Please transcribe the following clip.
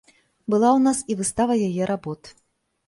Была ў нас і выстава яе работ.